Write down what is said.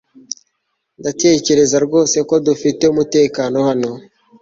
Ndatekereza rwose ko dufite umutekano hano